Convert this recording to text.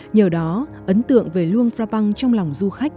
nhờ đó ấn tượng về luang prabang trong lòng du khách